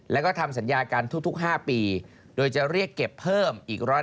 แล้วก็ทำสัญญากันทุก๕ปีโดยจะเรียกเก็บเพิ่มอีก๑๕